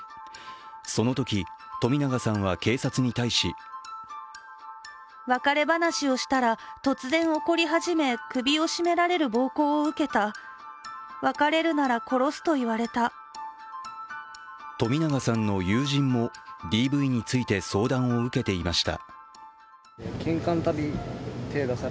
そのとき、冨永さんは警察に対し冨永さんの友人もＤＶについて相談を受けていました。